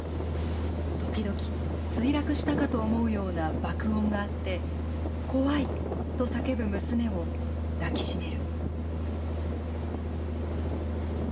ときどき、墜落したかと思うような爆音があって、こわい！と叫ぶ娘を抱きしめる。